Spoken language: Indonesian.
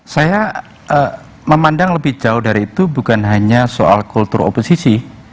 saya memandang lebih jauh dari itu bukan hanya soal kultur oposisi